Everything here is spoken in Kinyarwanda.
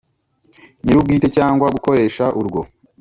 Nyir ubwite cyangwa gukoresha urwo